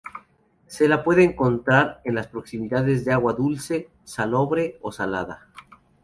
Se la puede encontrar en las proximidades de agua dulce, salobre o salada.